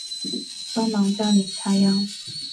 帮忙家里插秧